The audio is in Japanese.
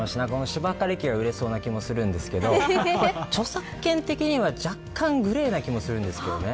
芝刈り機が売れそうな気もするんですけど著作権的には若干グレーな気もするんですけどね。